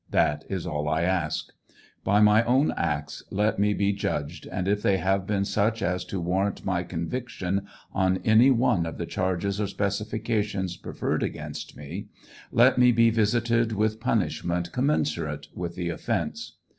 That is all I ask. By m} own acts let me be judged, and if they have been such as to warrantmy convictioi on any one of the charges or specifications preferred against me, let me be visitec with punishment commensurate with the offence.